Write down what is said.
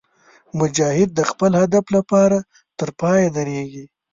مجاهد د خپل هدف لپاره تر پایه درېږي.